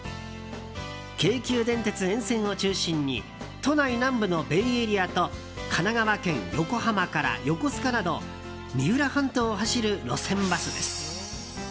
京急電鉄沿線を中心に都内南部のベイエリアと神奈川県、横浜から横須賀など三浦半島を走る路線バスです。